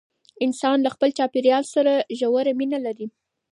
انسان له خپل چاپیریال سره ژوره مینه لري.